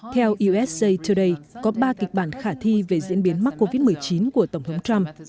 theo usa today có ba kịch bản khả thi về diễn biến mắc covid một mươi chín của tổng thống trump